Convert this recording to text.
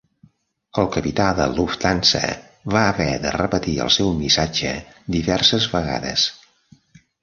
El capità de Lufthansa va haver de repetir el seu missatge diverses vegades.